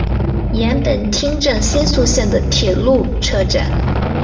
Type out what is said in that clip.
岩本町站新宿线的铁路车站。